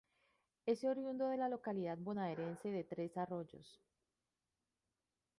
Es oriundo de la localidad bonaerense de Tres Arroyos.